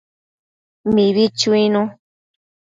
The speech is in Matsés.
Mibi chuinu